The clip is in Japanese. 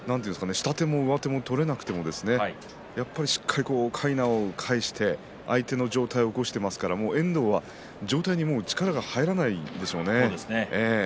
下手も上手も取れなくてもしっかりかいなを返して相手の上体を起こしていますから遠藤は、もう上体に力が入らなかったんですよね。